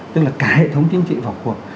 tức là cả hệ thống chính trị vào cuộc